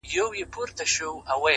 زه هم له خدايه څخه غواړمه تا!!